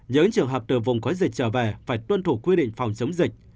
những trường hợp từ vùng có dịch trở về phải tuân thủ quy định phòng chống dịch